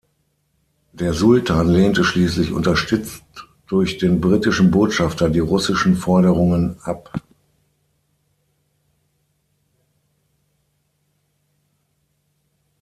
Der Sultan lehnte schließlich, unterstützt durch den britischen Botschafter, die russischen Forderungen ab.